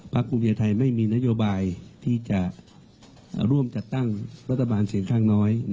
ภูมิใจไทยไม่มีนโยบายที่จะร่วมจัดตั้งรัฐบาลเสียงข้างน้อย